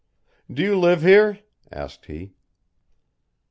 "Do you live here?" asked he.